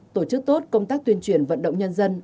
tổ chức tốt công tác tuyên truyền vận động nhân dân